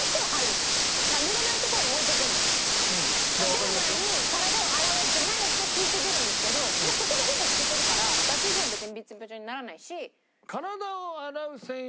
出る前に体を洗うやつじゃないやつで拭いて出るんですけどもうそこでほぼ拭けてるから脱衣所も別にビチョビチョにならないし。